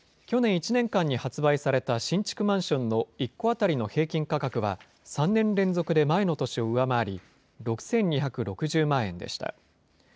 去年１年間に発売された新築マンションの１戸当たりの平均価格は、３年連続で前の年を上回り、６２６０万円でした。